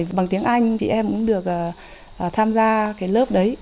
thì bằng tiếng anh chị em cũng được tham gia cái lớp đấy